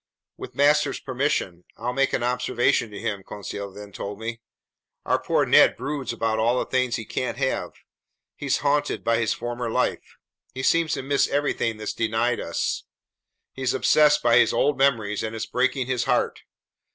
"With master's permission, I'll make an observation to him," Conseil then told me. "Our poor Ned broods about all the things he can't have. He's haunted by his former life. He seems to miss everything that's denied us. He's obsessed by his old memories and it's breaking his heart.